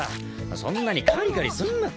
そんなにカリカリすんなって。